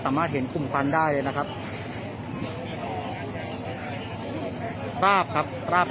อ่าไม่เป็นไรถ้าออกใกล้ถึงเขาบอกผมผมถอดได้เพราะว่า